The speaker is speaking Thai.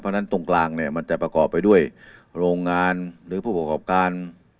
เพราะฉะนั้นตรงกลางเนี่ยมันจะประกอบไปด้วยโรงงานหรือผู้ประกอบการ